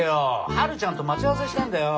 春ちゃんと待ち合わせしてんだよ！